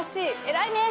えらいね！